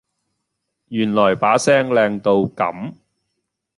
原来把聲靚到咁